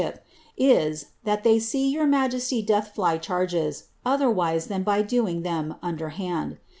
ip, is, that they see your majesty doth fly charges, otherwise than underhand.